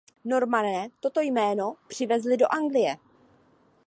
Normané toto jméno přivezli do Anglie.